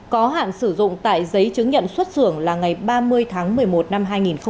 có hạn sử dụng tại giấy chứng nhận xuất xưởng là ngày ba mươi tháng một mươi một năm hai nghìn một mươi chín